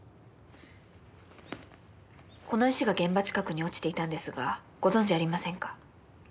この石が現場近くに落ちていたんですがご存じありませんか？